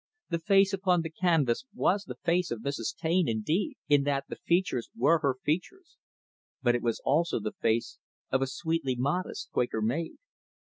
The face upon the canvas was the face of Mrs. Taine, indeed, in that the features were her features; but it was also the face of a sweetly modest Quaker Maid.